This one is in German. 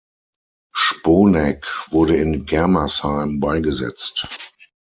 Sponeck wurde in Germersheim beigesetzt.